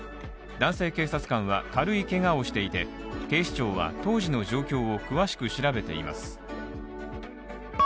男性警察官は軽いけがをしていて警視庁は当時の状況を詳しく調べています。